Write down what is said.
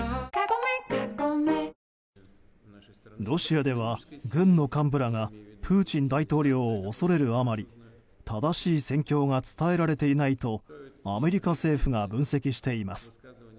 ロシアでは軍の幹部らがプーチン大統領を恐れるあまり正しい戦況が伝えられていないとアメリカ政府が分析しています。